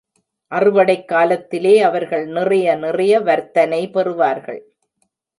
அறுவடைக் காலத்திலே அவர்கள் நிறைய நிறைய வர்த்தனை பெறுவார்கள்.